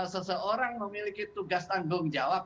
seseorang memiliki tugas tanggung jawab